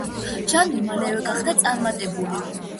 ჟანრი მალევე გახდა წარმატებული.